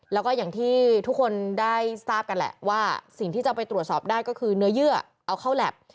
แล้วก็อย่างที่ทุกคนได้ทราบกันแหละว่าสิ่งที่จะไปตรวจสอบได้ก็คือเนื้อเยื่อเอาเข้าแล็บ